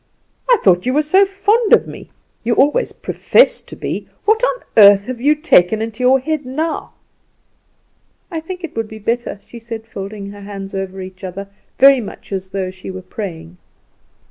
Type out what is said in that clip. I thought you were so fond of me? You always professed to be. What on earth have you taken into your head now?" "I think it would be better," she said, folding her hands over each other, very much as though she were praying.